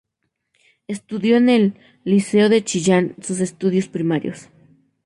Estudió en el Liceo de Chillán sus estudios primarios.